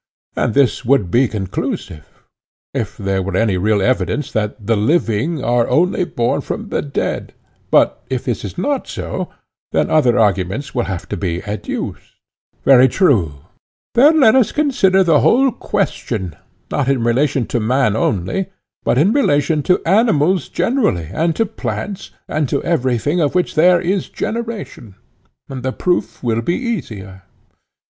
And this would be conclusive, if there were any real evidence that the living are only born from the dead; but if this is not so, then other arguments will have to be adduced. Very true, replied Cebes. Then let us consider the whole question, not in relation to man only, but in relation to animals generally, and to plants, and to everything of which there is generation, and the proof will be easier.